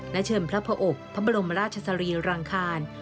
และเชิญพระอบพระบรมราชสรีรังคาร